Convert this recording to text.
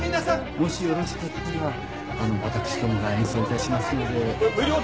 もしよろしかったら私どもが演奏いたしますので。